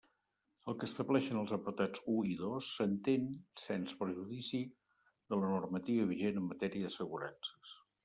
El que estableixen els apartats u i dos s'entén sens perjudici de la normativa vigent en matèria d'assegurances.